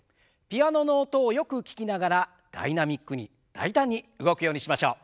ピアノの音をよく聞きながらダイナミックに大胆に動くようにしましょう。